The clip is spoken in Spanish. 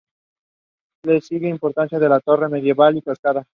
Les siguen en importancia la Torre Medieval y la Cascada.